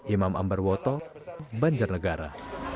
imam ambar woto banjarnegara